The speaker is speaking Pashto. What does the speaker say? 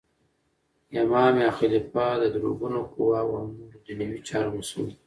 امام یا خلیفه د درو ګونو قوواو او نور دنیوي چارو مسول دی.